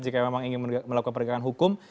jika memang ingin melakukan penegakan hukum